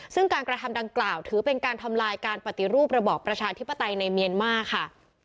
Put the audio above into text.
ซึ่งการกระทำดังกล่าวถือเป็นการทำลายการปฏิรูประบอบประชาธิปไตยในเมียนมาร์ค่ะ